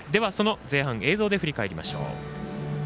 前半を映像で振り返りましょう。